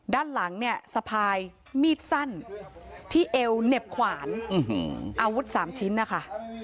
ด้านหลังเนี่ยสะพายมีดสั้นที่เอวเหน็บขวานอาวุธ๓ชิ้นนะคะ